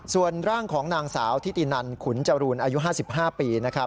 ส่วนร่างของนางสาวทิตินันขุนจรูนอายุ๕๕ปีนะครับ